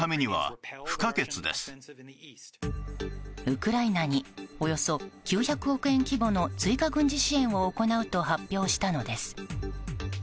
ウクライナにおよそ９００億円規模の追加軍事支援を行うと発表したのです。